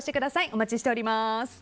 お待ちしております。